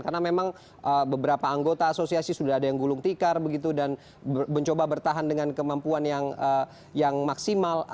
karena memang beberapa anggota asosiasi sudah ada yang gulung tikar begitu dan mencoba bertahan dengan kemampuan yang maksimal